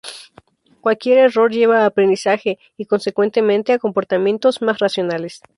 Cualquier error lleva a aprendizaje y, consecuentemente, a comportamientos "mas racionales".